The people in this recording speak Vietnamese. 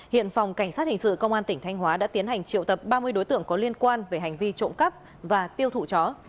hiện phòng cảnh sát hình sự công an tỉnh thanh hóa đã tiến hành triệu tập ba mươi đối tượng có liên quan về hành vi trộm cắp và tiêu thụ chó